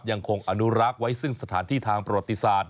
ยังคงอนุรักษ์ไว้ซึ่งสถานที่ทางประวัติศาสตร์